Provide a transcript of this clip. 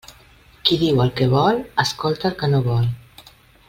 Qui diu el que vol, escolta el que no vol.